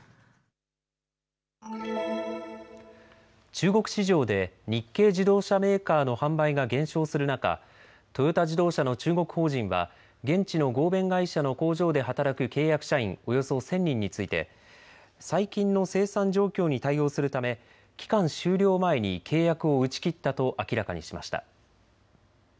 中国市場で日系自動車メーカーの販売が減少する中、トヨタ自動車の中国法人は現地の合弁会社の工場で働く契約社員およそ１０００人について最近の生産状況に対応するため期間終了前に契約を打ち切ったと明らかにしました。